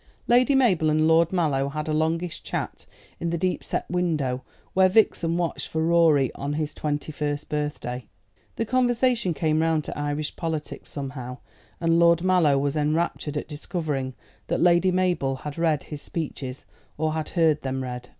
Lady Mabel and Lord Mallow had a longish chat in the deep set window where Vixen watched for Rorie on his twenty first birthday. The conversation came round to Irish politics somehow, and Lord Mallow was enraptured at discovering that Lady Mabel had read his speeches, or had heard them read.